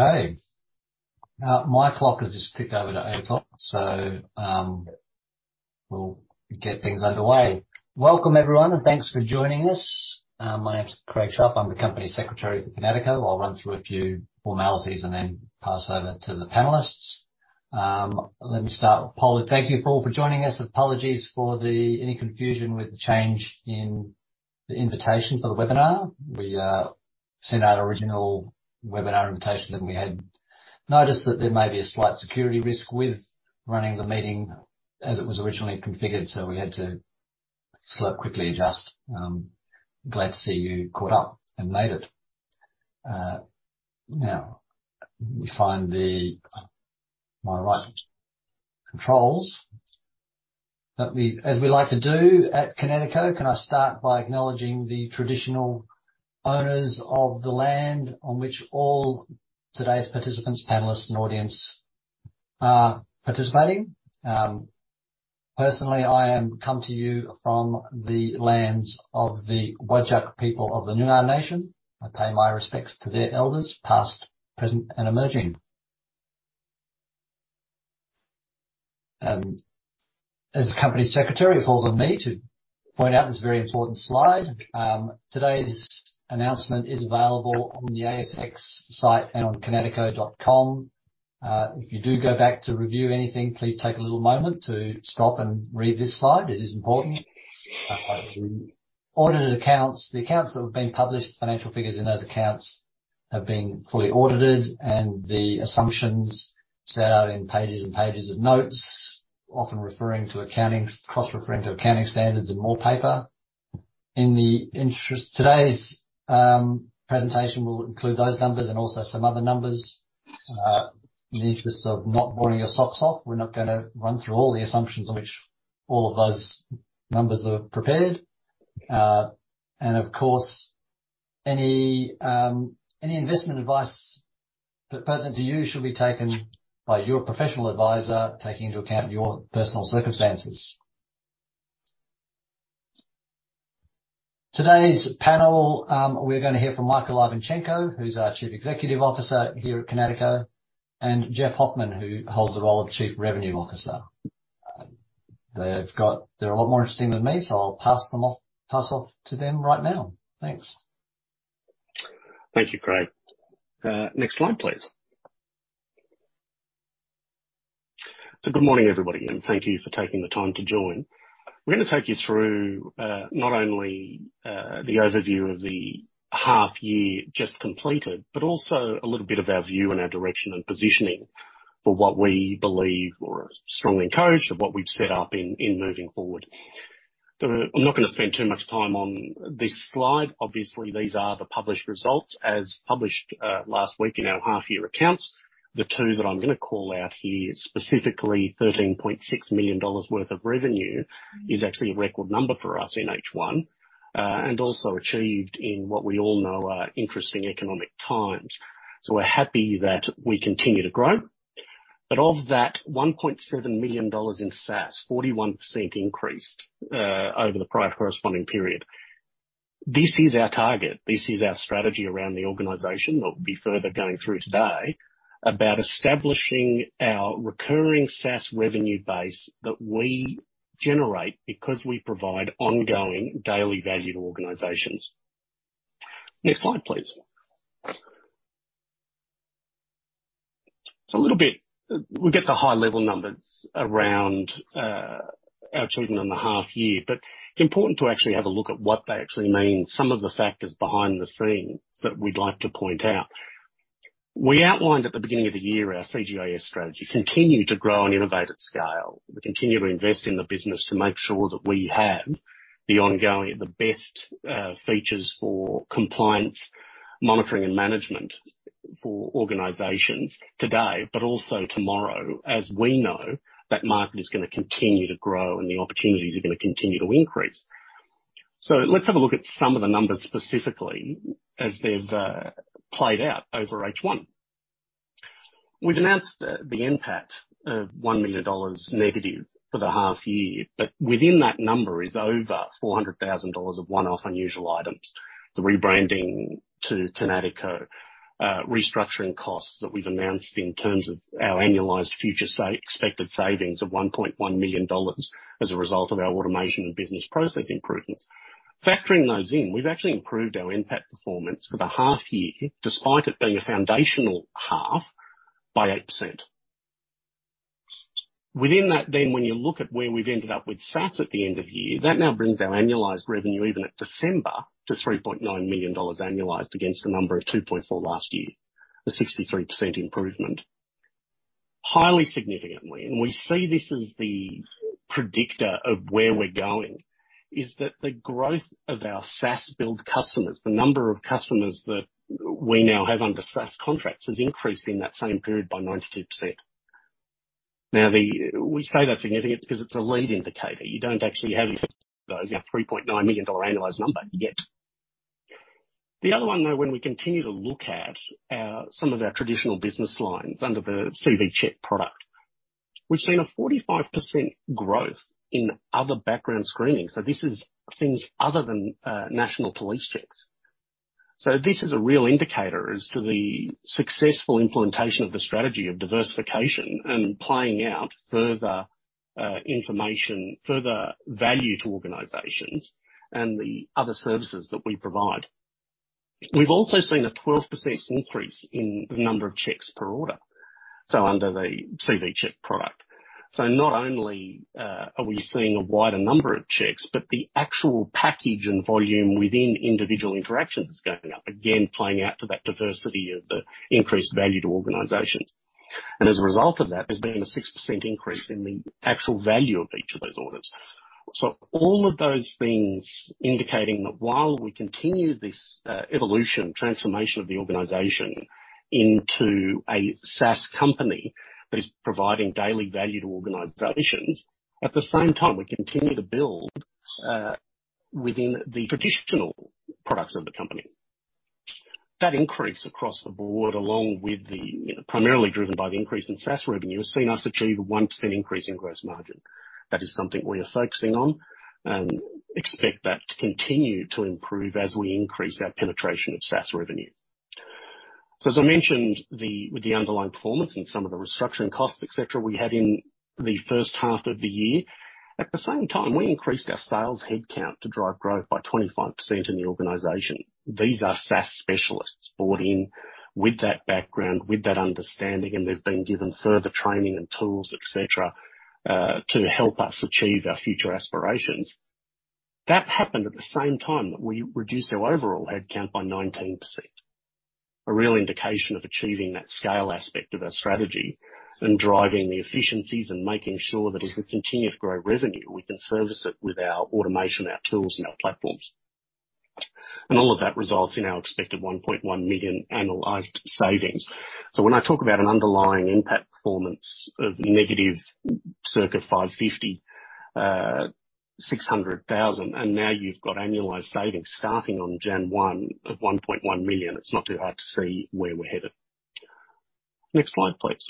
Okay. My clock has just ticked over to eight o'clock, so we'll get things underway. Welcome, everyone, and thanks for joining us. My name's Craig Sharp. I'm the Company Secretary for Kinatico. I'll run through a few formalities and then pass over to the panellists. Let me start with Paula. Thank you all for joining us. Apologies for any confusion with the change in the invitation for the webinar. We sent out an original webinar invitation, and we had noticed that there may be a slight security risk with running the meeting as it was originally configured, so we had to quickly adjust. Glad to see you caught up and made it. Now, we find my right controls. As we like to do at Kinatico, can I start by acknowledging the traditional owners of the land on which all today's participants, panellists, and audience are participating? Personally, I come to you from the lands of the Wadjuk people of the Noongar Nation. I pay my respects to their elders, past, present, and emerging. As Company Secretary, it falls on me to point out this very important slide. Today's announcement is available on the ASX site and on kinatico.com. If you do go back to review anything, please take a little moment to stop and read this slide. It is important. The audited accounts, the accounts that have been published, financial figures in those accounts have been fully audited, and the assumptions set out in pages and pages of notes, often referring to accounting, cross-referring to accounting standards and more paper. In the interest, today's presentation will include those numbers and also some other numbers. In the interest of not boring your socks off, we're not going to run through all the assumptions on which all of those numbers are prepared. Of course, any investment advice pertinent to you should be taken by your professional adviser, taking into account your personal circumstances. Today's panel, we're going to hear from Michael Ivanchenko, who's our Chief Executive Officer here at Kinatico, and Jeff Hoffman, who holds the role of Chief Revenue Officer. They're a lot more interesting than me, so I'll pass them off to them right now. Thanks. Thank you, Craig. Next slide, please. Good morning, everybody, and thank you for taking the time to join. We're going to take you through not only the overview of the half-year just completed, but also a little bit of our view and our direction and positioning for what we believe or strongly encourage of what we've set up in moving forward. I'm not going to spend too much time on this slide. Obviously, these are the published results as published last week in our half-year accounts. The two that I'm going to call out here, specifically 13.6 million dollars worth of revenue, is actually a record number for us in H1 and also achieved in what we all know are interesting economic times. We're happy that we continue to grow. Of that, 1.7 million dollars in SaaS, 41% increased over the prior corresponding period. This is our target. This is our strategy around the organisation that we'll be further going through today about establishing our recurring SaaS revenue base that we generate because we provide ongoing daily value to organisations. Next slide, please. A little bit, we get the high-level numbers around our achievement in the half-year, but it's important to actually have a look at what they actually mean, some of the factors behind the scenes that we'd like to point out. We outlined at the beginning of the year our CGIS strategy, continue to grow on innovative scale. We continue to invest in the business to make sure that we have the ongoing, the best features for compliance, monitoring, and management for organisations today, but also tomorrow, as we know that market is going to continue to grow and the opportunities are going to continue to increase. Let's have a look at some of the numbers specifically as they've played out over H1. We've announced the impact of 1 million dollars negative for the half-year, but within that number is over 400,000 of one-off unusual items, the rebranding to Kinatico, restructuring costs that we've announced in terms of our annualized future expected savings of 1.1 million dollars as a result of our automation and business process improvements. Factoring those in, we've actually improved our impact performance for the half-year, despite it being a foundational half, by 8%. Within that, then when you look at where we've ended up with SaaS at the end of year, that now brings our annualized revenue even at December to 3.9 million dollars annualized against the number of 2.4 million last year, a 63% improvement. Highly significantly, and we see this as the predictor of where we're going, is that the growth of our SaaS-built customers, the number of customers that we now have under SaaS contracts has increased in that same period by 92%. Now, we say that's significant because it's a lead indicator. You don't actually have those at 3.9 million dollar annualized number yet. The other one, though, when we continue to look at some of our traditional business lines under the CV Check product, we've seen a 45% growth in other background screening. This is things other than national police checks. This is a real indicator as to the successful implementation of the strategy of diversification and playing out further information, further value to organizations, and the other services that we provide. We've also seen a 12% increase in the number of checks per order, so under the CV Check product. Not only are we seeing a wider number of checks, but the actual package and volume within individual interactions is going up, again, playing out to that diversity of the increased value to organizations. As a result of that, there's been a 6% increase in the actual value of each of those orders. All of those things indicating that while we continue this evolution, transformation of the organization into a SaaS company that is providing daily value to organizations, at the same time, we continue to build within the traditional products of the company. That increase across the board, primarily driven by the increase in SaaS revenue, has seen us achieve a 1% increase in gross margin. That is something we are focusing on and expect that to continue to improve as we increase our penetration of SaaS revenue. As I mentioned, with the underlying performance and some of the restructuring costs, etc., we had in the first half of the year. At the same time, we increased our sales headcount to drive growth by 25% in the organization. These are SaaS specialists brought in with that background, with that understanding, and they've been given further training and tools, etc., to help us achieve our future aspirations. That happened at the same time that we reduced our overall headcount by 19%, a real indication of achieving that scale aspect of our strategy and driving the efficiencies and making sure that as we continue to grow revenue, we can service it with our automation, our tools, and our platforms. All of that results in our expected 1.1 million annualized savings. When I talk about an underlying impact performance of negative circa 550,000-600,000, and now you have annualized savings starting on Gen 1 of 1.1 million, it is not too hard to see where we are headed. Next slide, please.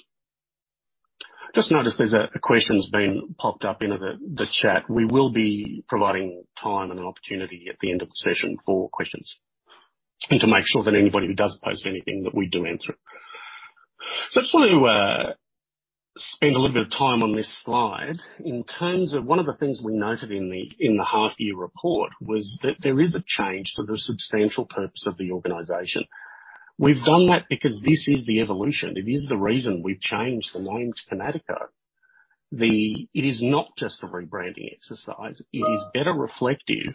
I notice there is a question that has been popped up in the chat. We will be providing time and an opportunity at the end of the session for questions and to make sure that anybody who does post anything, we do answer. I just want to spend a little bit of time on this slide. In terms of one of the things we noted in the half-year report, there is a change to the substantial purpose of the organization. We have done that because this is the evolution. It is the reason we've changed the name to Kinatico. It is not just a rebranding exercise. It is better reflective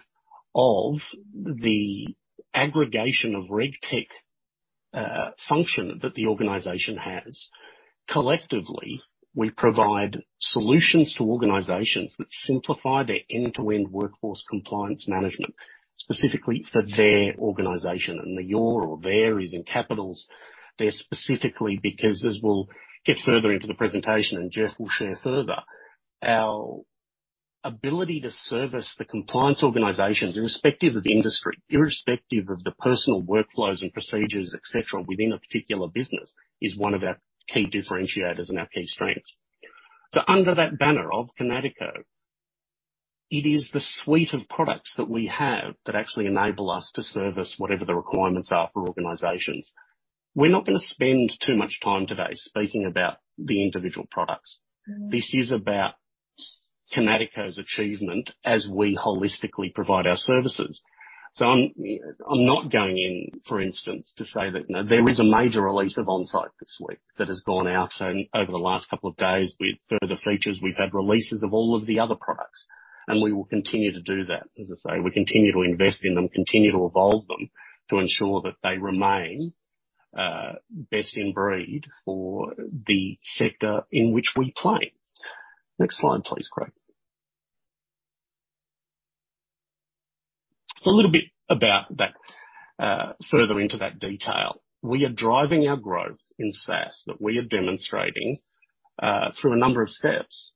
of the aggregation of reg tech function that the organization has. Collectively, we provide solutions to organizations that simplify their end-to-end workforce compliance management, specifically for their organization. And the your or their is in capitals. They're specifically because, as we'll get further into the presentation and Jeff will share further, our ability to service the compliance organizations, irrespective of industry, irrespective of the personal workflows and procedures, etc., within a particular business is one of our key differentiators and our key strengths. Under that banner of Kinatico, it is the suite of products that we have that actually enable us to service whatever the requirements are for organizations. We're not going to spend too much time today speaking about the individual products. This is about Kinatico's achievement as we holistically provide our services. I'm not going in, for instance, to say that there is a major release of Onsite this week that has gone out over the last couple of days with further features. We've had releases of all of the other products, and we will continue to do that. As I say, we continue to invest in them, continue to evolve them to ensure that they remain best in breed for the sector in which we play. Next slide, please, Craig. A little bit about that, further into that detail. We are driving our growth in SaaS that we are demonstrating through a number of steps.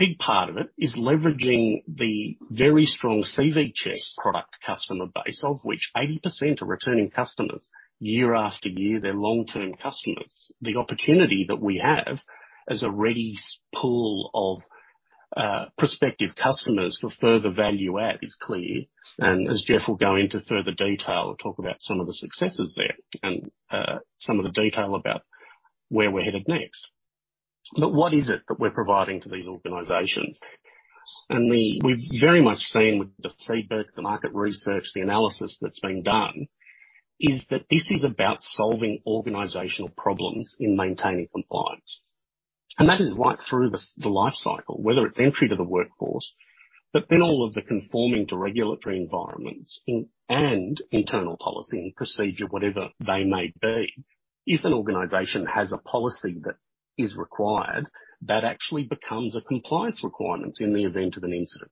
A big part of it is leveraging the very strong CV Check product customer base, of which 80% are returning customers year after year. They're long-term customers. The opportunity that we have as a ready pool of prospective customers for further value add is clear. As Jeff will go into further detail, we'll talk about some of the successes there and some of the detail about where we're headed next. What is it that we're providing to these organizations? We've very much seen with the feedback, the market research, the analysis that's been done, is that this is about solving organizational problems in maintaining compliance. That is right through the life cycle, whether it's entry to the workforce, but then all of the conforming to regulatory environments and internal policy and procedure, whatever they may be. If an organization has a policy that is required, that actually becomes a compliance requirement in the event of an incident.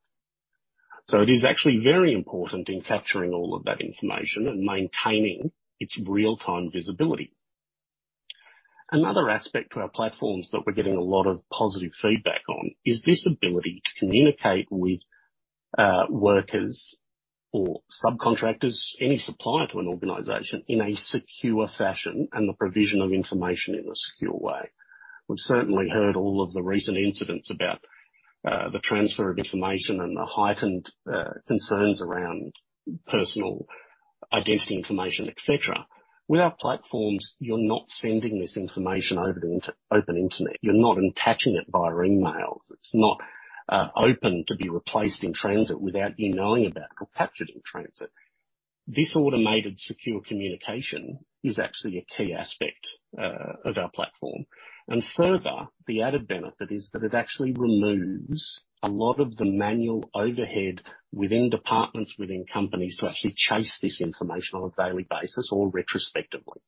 It is actually very important in capturing all of that information and maintaining its real-time visibility. Another aspect to our platforms that we're getting a lot of positive feedback on is this ability to communicate with workers or subcontractors, any supplier to an organisation, in a secure fashion and the provision of information in a secure way. We've certainly heard all of the recent incidents about the transfer of information and the heightened concerns around personal identity information, etc. With our platforms, you're not sending this information over the open internet. You're not attaching it via emails. It's not open to be replaced in transit without you knowing about it or captured in transit. This automated secure communication is actually a key aspect of our platform. Further, the added benefit is that it actually removes a lot of the manual overhead within departments, within companies to actually chase this information on a daily basis or retrospectively.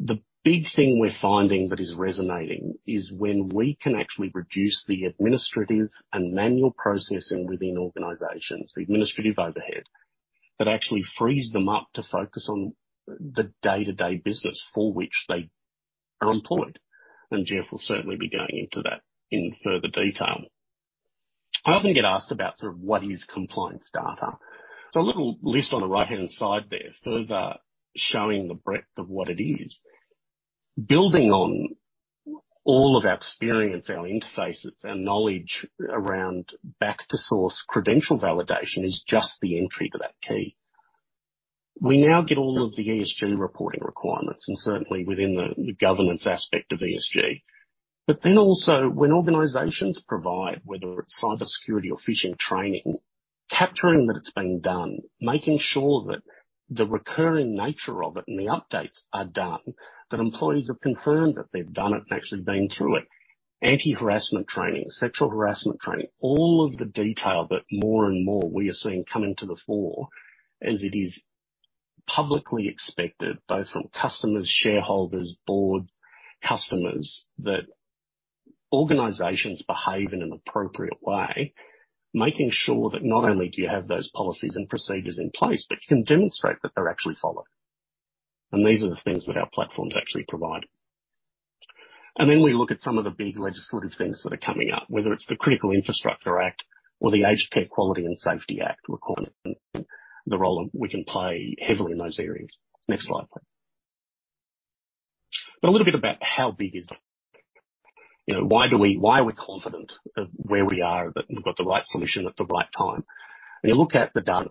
The big thing we're finding that is resonating is when we can actually reduce the administrative and manual processing within organisations, the administrative overhead, that actually frees them up to focus on the day-to-day business for which they are employed. Jeff will certainly be going into that in further detail. I often get asked about sort of what is compliance data. A little list on the right-hand side there further showing the breadth of what it is. Building on all of our experience, our interfaces, our knowledge around back-to-source credential validation is just the entry to that key. We now get all of the ESG reporting requirements and certainly within the governance aspect of ESG. When organizations provide, whether it's cybersecurity or phishing training, capturing that it's been done, making sure that the recurring nature of it and the updates are done, that employees are confirmed that they've done it and actually been through it, anti-harassment training, sexual harassment training, all of the detail that more and more we are seeing coming to the fore as it is publicly expected, both from customers, shareholders, board customers, that organizations behave in an appropriate way, making sure that not only do you have those policies and procedures in place, but you can demonstrate that they're actually followed. These are the things that our platforms actually provide. Then we look at some of the big legislative things that are coming up, whether it's the Critical Infrastructure Act or the Aged Care Quality and Safety Act requirements, and the role we can play heavily in those areas. Next slide, please. A little bit about how big is the—why are we confident of where we are that we've got the right solution at the right time? When you look at the data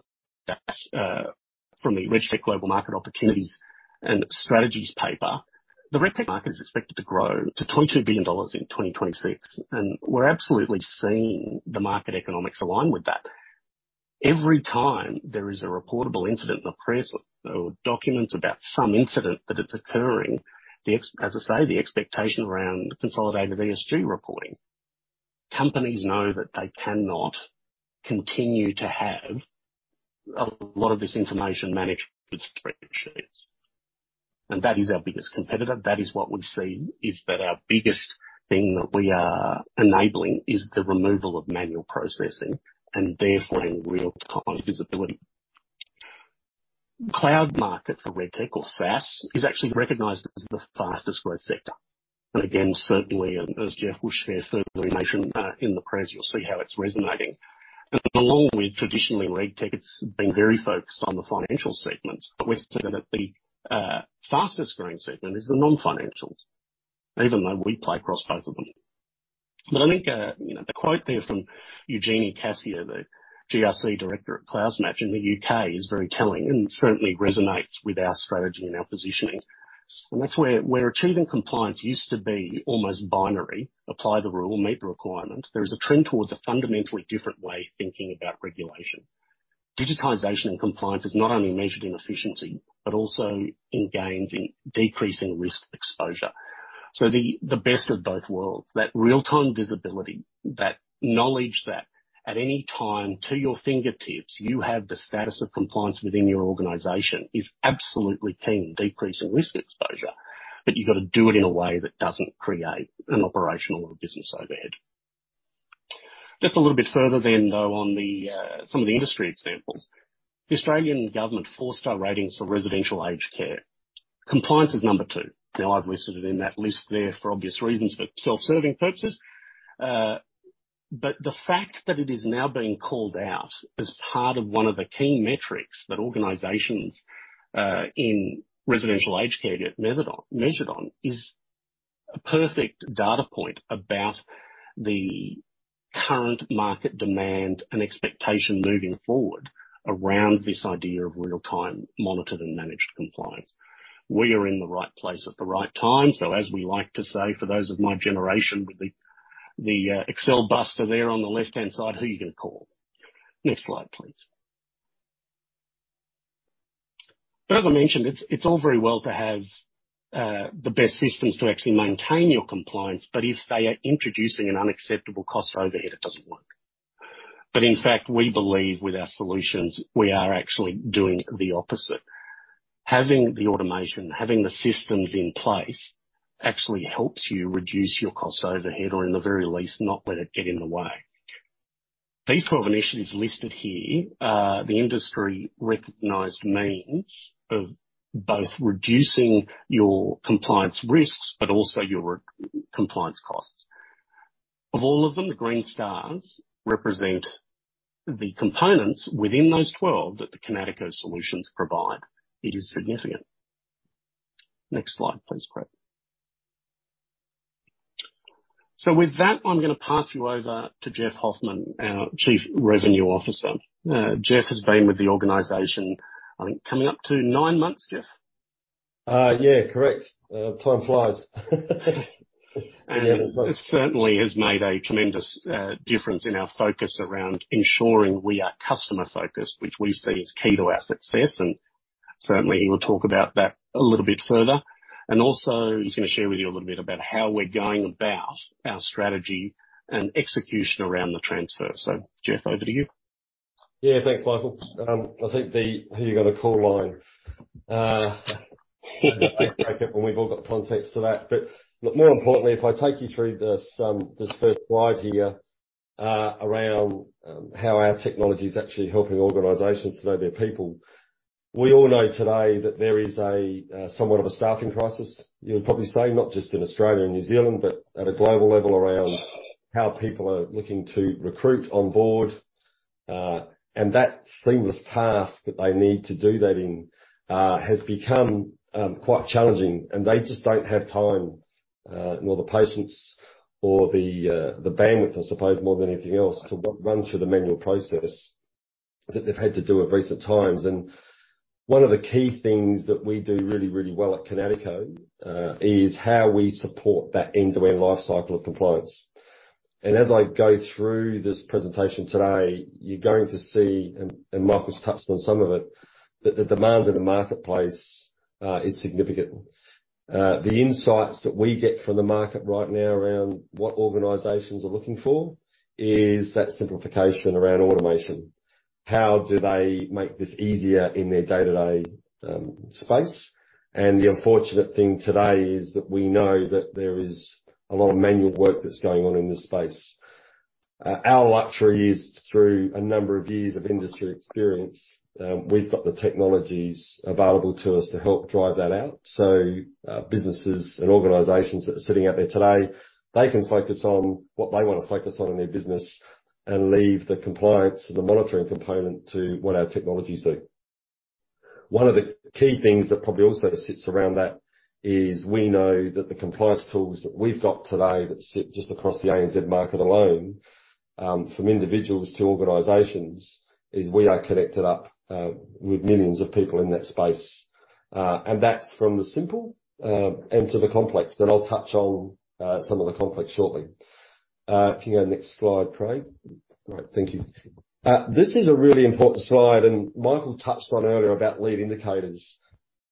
from the Reg Tech Global Market Opportunities and Strategies paper, the reg tech market is expected to grow to AUD 22 billion in 2026. We're absolutely seeing the market economics align with that. Every time there is a reportable incident in the press or documents about some incident that it's occurring, as I say, the expectation around consolidated ESG reporting. Companies know that they cannot continue to have a lot of this information managed with spreadsheets. That is our biggest competitor. That is what we see, is that our biggest thing that we are enabling is the removal of manual processing and therefore in real-time visibility. The cloud market for reg tech or SaaS is actually recognized as the fastest growth sector. Certainly, as Jeff will share further in the presentation, in the press, you'll see how it's resonating. Along with traditionally reg tech, it's been very focused on the financial segments. We're seeing that the fastest growing segment is the non-financials, even though we play across both of them. I think the quote there from Eugenie Cassier, the GRC director at CloudsMatch in the U.K., is very telling and certainly resonates with our strategy and our positioning. That is where achieving compliance used to be almost binary: apply the rule, meet the requirement. There is a trend towards a fundamentally different way of thinking about regulation. Digitisation and compliance is not only measured in efficiency, but also in gains in decreasing risk exposure. The best of both worlds, that real-time visibility, that knowledge that at any time to your fingertips, you have the status of compliance within your organisation is absolutely key in decreasing risk exposure. You have to do it in a way that does not create an operational or business overhead. Just a little bit further then, though, on some of the industry examples. The Australian government four-star ratings for residential aged care. Compliance is number two. I have listed it in that list there for obvious reasons, for self-serving purposes. But the fact that it is now being called out as part of one of the key metrics that organizations in residential aged care get measured on is a perfect data point about the current market demand and expectation moving forward around this idea of real-time monitored and managed compliance. We are in the right place at the right time. As we like to say, for those of my generation with the Excel buster there on the left-hand side, who are you going to call? Next slide, please. As I mentioned, it's all very well to have the best systems to actually maintain your compliance, but if they are introducing an unacceptable cost overhead, it doesn't work. In fact, we believe with our solutions, we are actually doing the opposite. Having the automation, having the systems in place actually helps you reduce your cost overhead or, in the very least, not let it get in the way. These 12 initiatives listed here, the industry recognized means of both reducing your compliance risks, but also your compliance costs. Of all of them, the green stars represent the components within those 12 that the Kinatico solutions provide. It is significant. Next slide, please, Craig. With that, I'm going to pass you over to Jeff Hoffman, our Chief Revenue Officer. Jeff has been with the organization, I think, coming up to nine months, Jeff? Yeah, correct. Time flies. It certainly has made a tremendous difference in our focus around ensuring we are customer-focused, which we see is key to our success. He will talk about that a little bit further. Also, he's going to share with you a little bit about how we're going about our strategy and execution around the transfer. Jeff, over to you. Yeah, thanks, Michael. I think here you got a call line. I'll break it when we've all got context to that. More importantly, if I take you through this first slide here around how our technology is actually helping organizations today, their people, we all know today that there is somewhat of a staffing crisis, you would probably say, not just in Australia and New Zealand, but at a global level around how people are looking to recruit, onboard. That seamless task that they need to do that in has become quite challenging. They just don't have time, nor the patience, or the bandwidth, I suppose, more than anything else, to run through the manual process that they've had to do at recent times. One of the key things that we do really, really well at Kinatico is how we support that end-to-end life cycle of compliance. As I go through this presentation today, you're going to see, and Michael's touched on some of it, that the demand in the marketplace is significant. The insights that we get from the market right now around what organizations are looking for is that simplification around automation. How do they make this easier in their day-to-day space? The unfortunate thing today is that we know that there is a lot of manual work that's going on in this space. Our luxury is, through a number of years of industry experience, we've got the technologies available to us to help drive that out. Businesses and organizations that are sitting out there today, they can focus on what they want to focus on in their business and leave the compliance and the monitoring component to what our technologies do. One of the key things that probably also sits around that is we know that the compliance tools that we've got today that sit just across the ANZ market alone, from individuals to organizations, is we are connected up with millions of people in that space. That's from the simple end to the complex. I'll touch on some of the complex shortly. If you can go to the next slide, Craig. Right, thank you. This is a really important slide. Michael touched on earlier about lead indicators.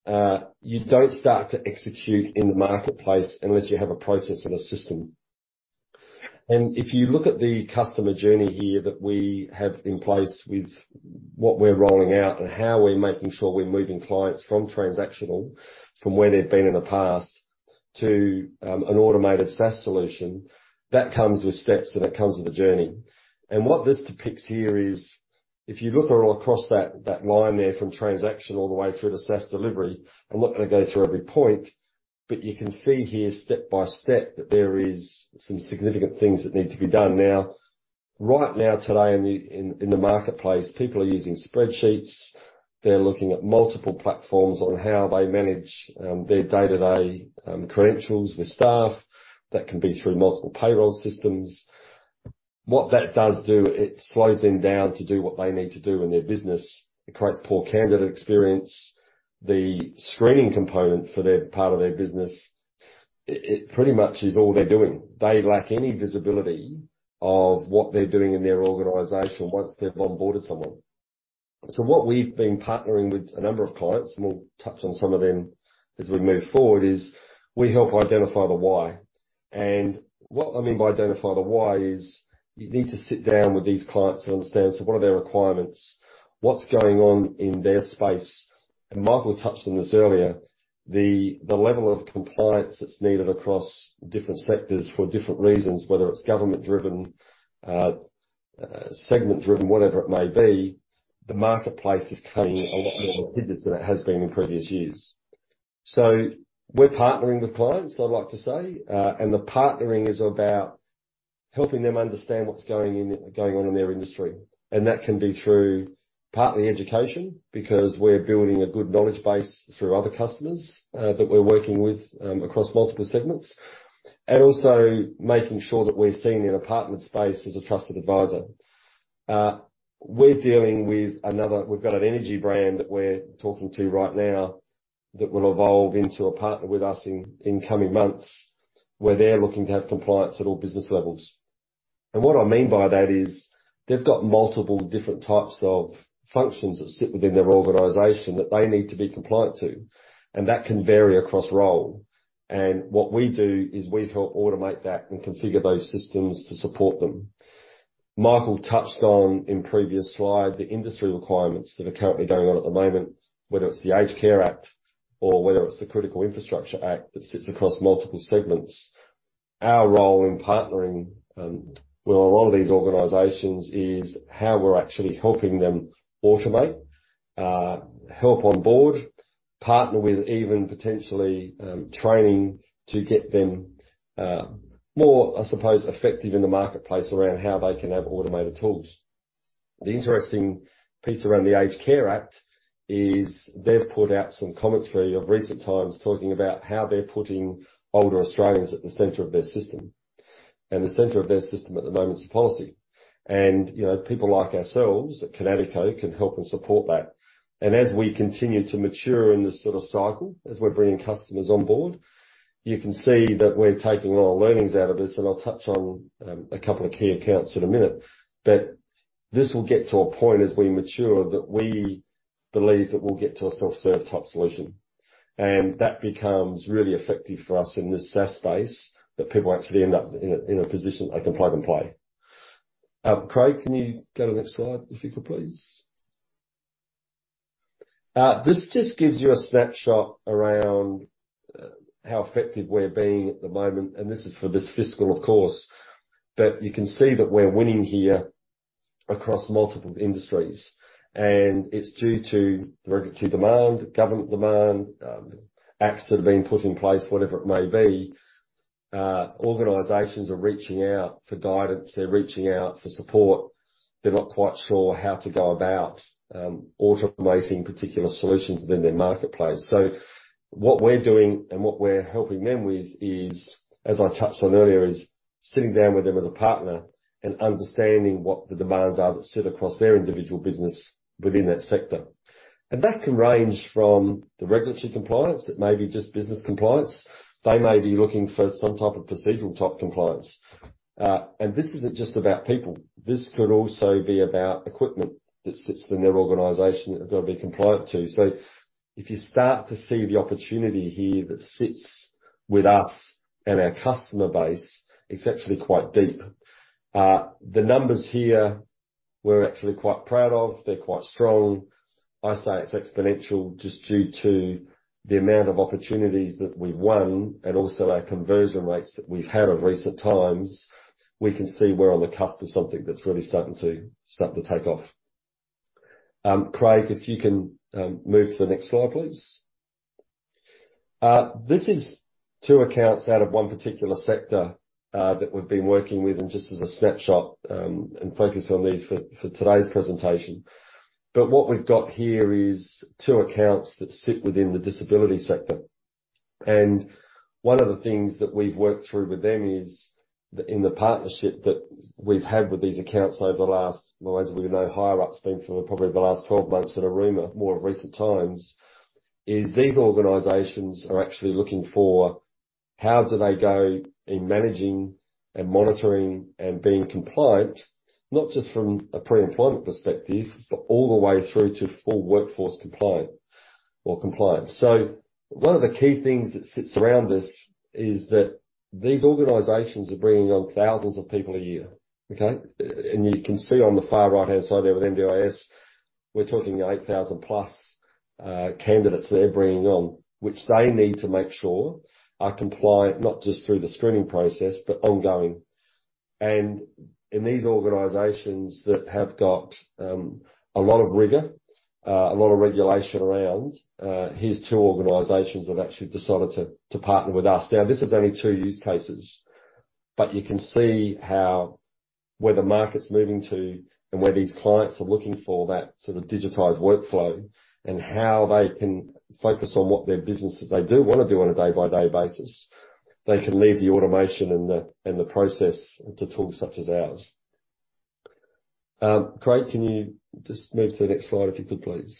You don't start to execute in the marketplace unless you have a process and a system. If you look at the customer journey here that we have in place with what we're rolling out and how we're making sure we're moving clients from transactional, from where they've been in the past, to an automated SaaS solution, that comes with steps and it comes with a journey. What this depicts here is, if you look all across that line there from transaction all the way through to SaaS delivery, I'm not going to go through every point, but you can see here step by step that there are some significant things that need to be done. Right now today in the marketplace, people are using spreadsheets. They're looking at multiple platforms on how they manage their day-to-day credentials with staff. That can be through multiple payroll systems. What that does do, it slows them down to do what they need to do in their business. It creates poor candidate experience. The screening component for their part of their business, it pretty much is all they're doing. They lack any visibility of what they're doing in their organisation once they've onboarded someone. What we've been partnering with a number of clients, and we'll touch on some of them as we move forward, is we help identify the why. What I mean by identify the why is you need to sit down with these clients and understand, what are their requirements? What's going on in their space? Michael touched on this earlier, the level of compliance that's needed across different sectors for different reasons, whether it's government-driven, segment-driven, whatever it may be. The marketplace is cutting a lot more procedures than it has been in previous years. We're partnering with clients, I'd like to say. The partnering is about helping them understand what's going on in their industry. That can be through partly education, because we're building a good knowledge base through other customers that we're working with across multiple segments, and also making sure that we're seen in a partnered space as a trusted advisor. We're dealing with another—we've got an energy brand that we're talking to right now that will evolve into a partner with us in coming months, where they're looking to have compliance at all business levels. What I mean by that is they've got multiple different types of functions that sit within their organization that they need to be compliant to. That can vary across role. What we do is we help automate that and configure those systems to support them. Michael touched on in previous slides the industry requirements that are currently going on at the moment, whether it's the Aged Care Quality and Safety Act or whether it's the Critical Infrastructure Act that sits across multiple segments. Our role in partnering with a lot of these organizations is how we're actually helping them automate, help onboard, partner with even potentially training to get them more, I suppose, effective in the marketplace around how they can have automated tools. The interesting piece around the Aged Care Act is they've put out some commentary of recent times talking about how they're putting older Australians at the centre of their system. The centre of their system at the moment is policy. People like ourselves at Kinatico can help and support that. As we continue to mature in this sort of cycle, as we're bringing customers onboard, you can see that we're taking a lot of learnings out of this. I'll touch on a couple of key accounts in a minute. This will get to a point as we mature that we believe that we'll get to a self-serve type solution. That becomes really effective for us in this SaaS space that people actually end up in a position they can plug and play. Craig, can you go to the next slide, if you could, please? This just gives you a snapshot around how effective we're being at the moment. This is for this fiscal, of course. You can see that we're winning here across multiple industries. It's due to regulatory demand, government demand, acts that have been put in place, whatever it may be. Organisations are reaching out for guidance. They're reaching out for support. They're not quite sure how to go about automating particular solutions within their marketplace. What we're doing and what we're helping them with is, as I touched on earlier, sitting down with them as a partner and understanding what the demands are that sit across their individual business within that sector. That can range from the regulatory compliance. It may be just business compliance. They may be looking for some type of procedural type compliance. This isn't just about people. This could also be about equipment that sits in their organization that they've got to be compliant to. If you start to see the opportunity here that sits with us and our customer base, it's actually quite deep. The numbers here, we're actually quite proud of. They're quite strong. I say it's exponential just due to the amount of opportunities that we've won and also our conversion rates that we've had of recent times. We can see we're on the cusp of something that's really starting to take off. Craig, if you can move to the next slide, please. This is two accounts out of one particular sector that we've been working with and just as a snapshot and focus on these for today's presentation. What we've got here is two accounts that sit within the disability sector. One of the things that we've worked through with them is in the partnership that we've had with these accounts over the last, well, as we know, higher-ups have been for probably the last 12 months at Aruma, more of recent times, is these organizations are actually looking for how do they go in managing and monitoring and being compliant, not just from a pre-employment perspective, but all the way through to full workforce compliance. One of the key things that sits around this is that these organizations are bringing on thousands of people a year. Okay? You can see on the far right-hand side there with MDIS, we're talking 8,000-plus candidates they're bringing on, which they need to make sure are compliant, not just through the screening process, but ongoing. In these organizations that have got a lot of rigor, a lot of regulation around, here are two organizations that actually decided to partner with us. This is only two use cases. You can see where the market's moving to and where these clients are looking for that sort of digitized workflow and how they can focus on what their businesses they do want to do on a day-by-day basis. They can leave the automation and the process to tools such as ours. Craig, can you just move to the next slide, if you could, please?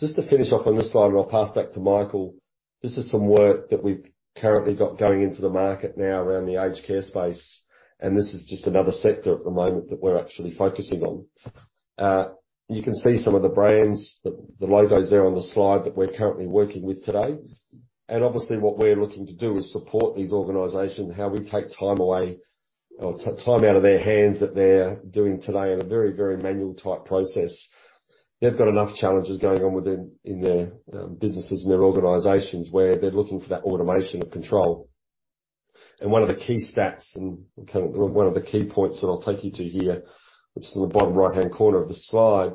Just to finish off on this slide, and I'll pass back to Michael, this is some work that we've currently got going into the market now around the aged care space. This is just another sector at the moment that we're actually focusing on. You can see some of the brands, the logos there on the slide that we're currently working with today. Obviously, what we're looking to do is support these organizations, how we take time away or time out of their hands that they're doing today in a very, very manual-type process. They've got enough challenges going on within their businesses and their organizations where they're looking for that automation of control. One of the key stats and one of the key points that I'll take you to here, which is in the bottom right-hand corner of the slide,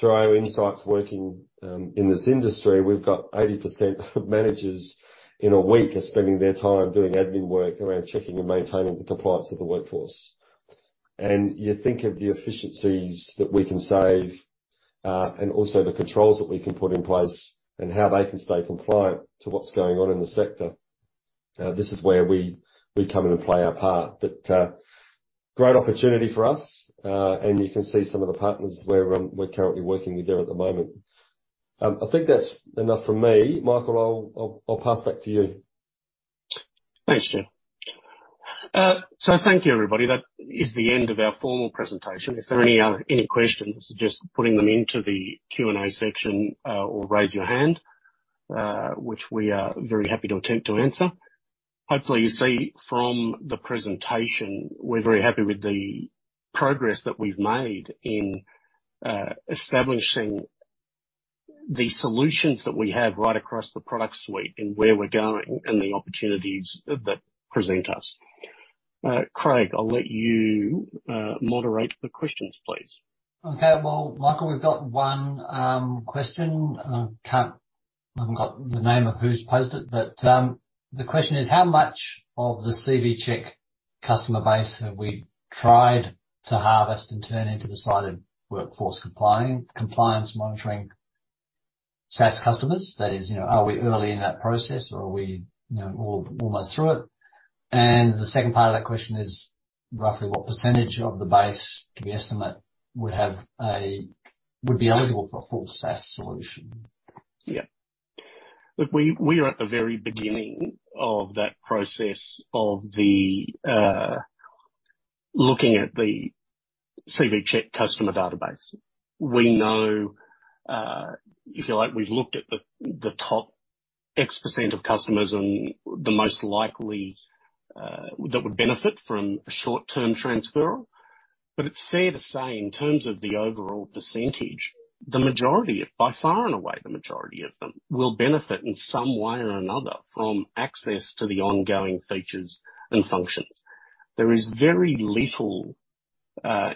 through our insights working in this industry, we've got 80% of managers in a week are spending their time doing admin work around checking and maintaining the compliance of the workforce. You think of the efficiencies that we can save and also the controls that we can put in place and how they can stay compliant to what's going on in the sector. This is where we come in and play our part. Great opportunity for us. You can see some of the partners where we're currently working with them at the moment. I think that's enough from me. Michael, I'll pass back to you. Thanks, Jim. Thank you, everybody. That is the end of our formal presentation. If there are any questions, just put them into the Q&A section or raise your hand, which we are very happy to attempt to answer. Hopefully, you see from the presentation, we're very happy with the progress that we've made in establishing the solutions that we have right across the product suite and where we're going and the opportunities that present us. Craig, I'll let you moderate the questions, please. Okay. Michael, we've got one question. I haven't got the name of who's posed it, but the question is, how much of the CV Check customer base have we tried to harvest and turn into the cited workforce compliance monitoring SaaS customers? That is, are we early in that process or are we almost through it? The second part of that question is roughly what percentage of the base, can we estimate, would be eligible for a full SaaS solution? Yeah. Look, we are at the very beginning of that process of looking at the CV Check customer database. We know, if you like, we've looked at the top X% of customers and the most likely that would benefit from a short-term transfer. It's fair to say, in terms of the overall percentage, by far and away, the majority of them will benefit in some way or another from access to the ongoing features and functions. There is very little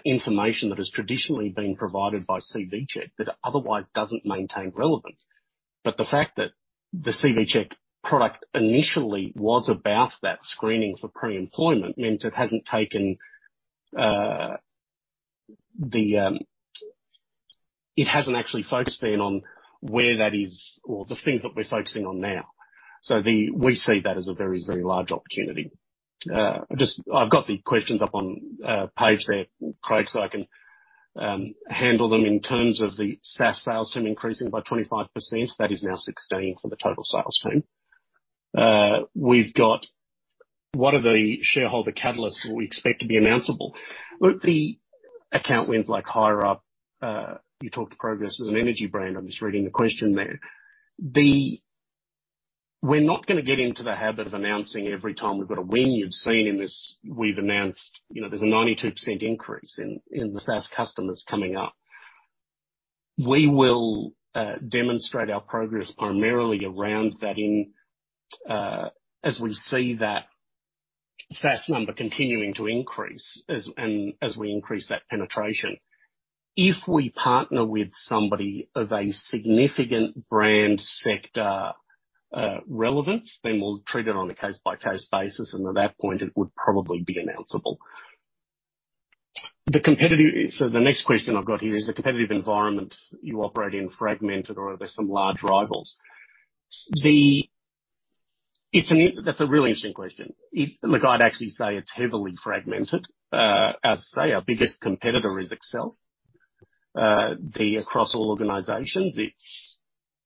information that has traditionally been provided by CV Check that otherwise doesn't maintain relevance. The fact that the CV Check product initially was about that screening for pre-employment meant it hasn't actually focused in on where that is or the things that we're focusing on now. We see that as a very, very large opportunity. I've got the questions up on page there, Craig, so I can handle them in terms of the SaaS sales team increasing by 25%. That is now 16 for the total sales team. We've got what are the shareholder catalysts that we expect to be announceable? Look, the account wins like higher-up. You talked to Progress as an energy brand. I'm just reading the question there. We're not going to get into the habit of announcing every time we've got a win. You've seen in this, we've announced there's a 92% increase in the SaaS customers coming up. We will demonstrate our progress primarily around that as we see that SaaS number continuing to increase and as we increase that penetration. If we partner with somebody of a significant brand sector relevance, then we'll treat it on a case-by-case basis. At that point, it would probably be announceable. The next question I've got here is the competitive environment you operate in fragmented or are there some large rivals? That's a really interesting question. Look, I'd actually say it's heavily fragmented. As I say, our biggest competitor is Excel. Across all organizations, it's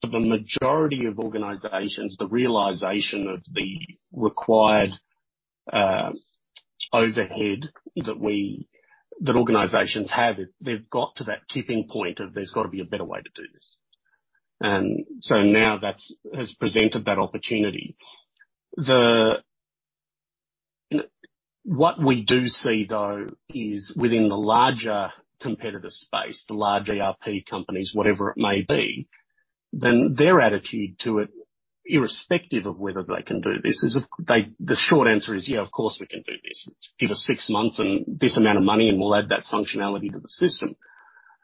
the majority of organizations, the realization of the required overhead that organizations have, they've got to that tipping point of there's got to be a better way to do this. Now that has presented that opportunity. What we do see, though, is within the larger competitor space, the large ERP companies, whatever it may be, then their attitude to it, irrespective of whether they can do this, is the short answer is, "Yeah, of course we can do this. Give us six months and this amount of money and we'll add that functionality to the system.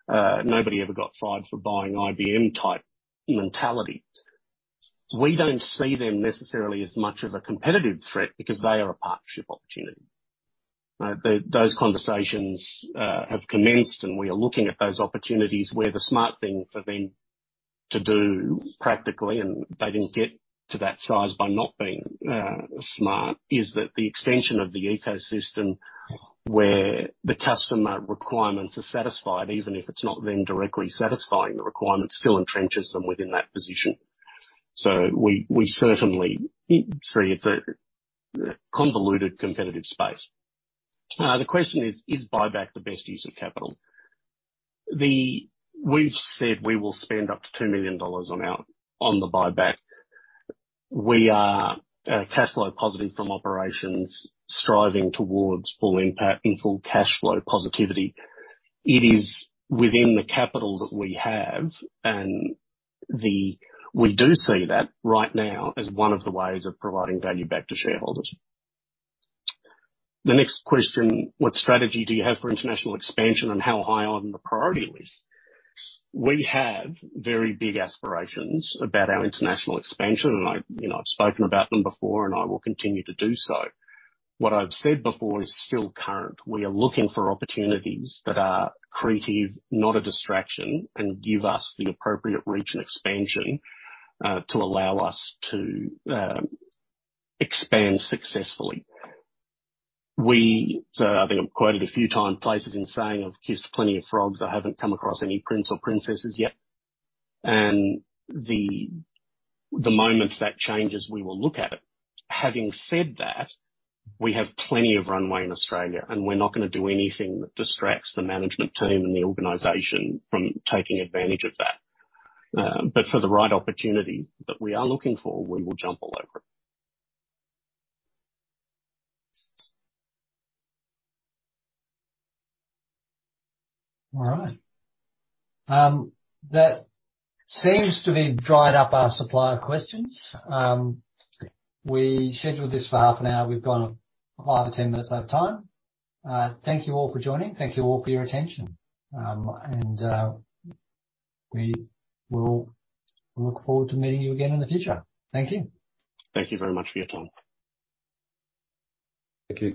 Nobody ever got fired for buying IBM-type mentality. We don't see them necessarily as much of a competitive threat because they are a partnership opportunity. Those conversations have commenced, and we are looking at those opportunities where the smart thing for them to do practically, and they didn't get to that size by not being smart, is that the extension of the ecosystem where the customer requirements are satisfied, even if it's not them directly satisfying the requirements, still entrenches them within that position. We certainly see it's a convoluted competitive space. The question is, is buyback the best use of capital? We've said we will spend up to 2 million dollars on the buyback. We are cash flow positive from operations, striving towards full impact and full cash flow positivity. It is within the capital that we have, and we do see that right now as one of the ways of providing value back to shareholders. The next question, what strategy do you have for international expansion and how high on the priority list? We have very big aspirations about our international expansion, and I've spoken about them before, and I will continue to do so. What I've said before is still current. We are looking for opportunities that are creative, not a distraction, and give us the appropriate reach and expansion to allow us to expand successfully. I think I've quoted a few times places in saying I've kissed plenty of frogs. I haven't come across any prince or princesses yet. The moment that changes, we will look at it. Having said that, we have plenty of runway in Australia, and we're not going to do anything that distracts the management team and the organization from taking advantage of that. For the right opportunity that we are looking for, we will jump all over it. All right. That seems to have dried up our supplier questions. We scheduled this for half an hour. We've gone five or ten minutes out of time. Thank you all for joining. Thank you all for your attention. We will look forward to meeting you again in the future. Thank you. Thank you very much for your time. Thank you.